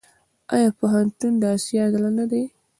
آیا پښتون د اسیا زړه نه دی؟